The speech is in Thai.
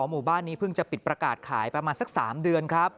หมู่บ้านนี้เพิ่งจะปิดประกาศขายประมาณสัก๓เดือนครับ